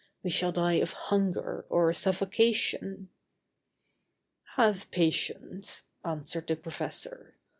We shall die of hunger or suffocation...." "Have patience," answered the professor.